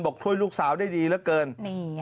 ช่วยลูกสาวได้ดีเหลือเกิน